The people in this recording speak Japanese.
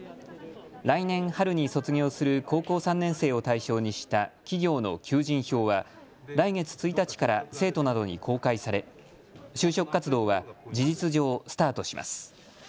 来年春に卒業する高校３年生を対象にした企業の求人票は来月１日から生徒などに公開され就職活動は事実上、スタートします。